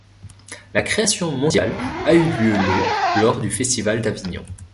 La création mondiale a eu lieu le lors du festival d'Avignon.